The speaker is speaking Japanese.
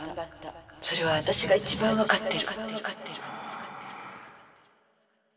それは私が一番分かってる」。